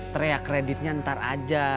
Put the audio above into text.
teriak kreditnya ntar aja